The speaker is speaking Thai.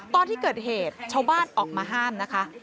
ตอนที่เกิดเหตุชาวบ้านออกมาห้ามนะคะ